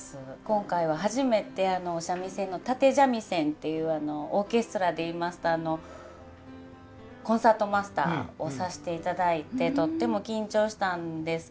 今回は初めて三味線の立三味線ていうオーケストラで言いますとコンサートマスターをさせていただいてとっても緊張したんですけれども。